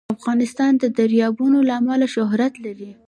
افغانستان د دریابونه له امله شهرت لري.